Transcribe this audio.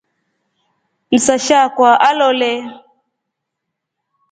Msasha akwa alole.